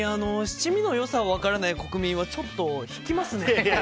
七味の良さを分からない国民はちょっと引きますね。